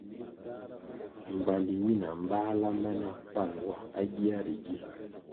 Mbpandi ñina mbáhla ma na pan wa à gia ri gi.